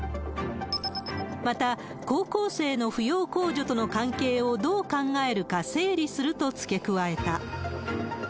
また、高校生の扶養控除との関係をどう考えるか整理するとつけ加えた。